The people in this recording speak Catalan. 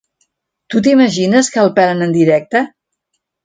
Tu t'imagines que el pelen en directe?